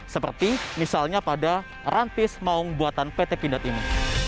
seperti misalnya pada rantis maung buatan pt pindad ini